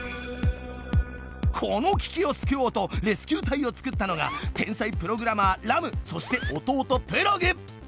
この危機を救おうとレスキュー隊を作ったのが天才プログラマーそして弟